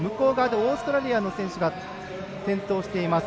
オーストラリアの選手が転倒していました。